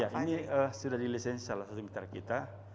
ya ini sudah dilisensi salah satu mitra kita